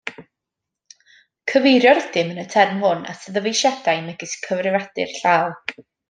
Cyfeirio rydym yn y term hwn at ddyfeisiadau megis y cyfrifiadur llaw.